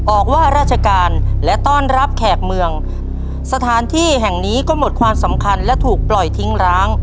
ออกว่าราชการและต้อนรับแขกเมืองสถานที่แห่งนี้ก็หมดความสำคัญและถูกปล่อยทิ้งร้าง